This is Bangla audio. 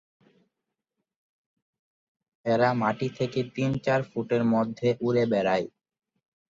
এরা মাটি থেকে তিন চার ফুটের মধ্যে উড়ে বেড়ায়।